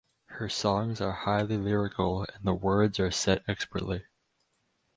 Her songs are highly lyrical and the words are set expertly.